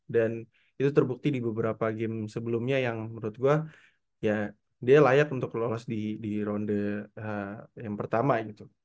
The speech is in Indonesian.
dan itu terbukti di beberapa game sebelumnya yang menurut gue ya dia layak untuk lolos di ronde yang pertama gitu